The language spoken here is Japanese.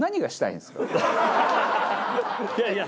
いやいや。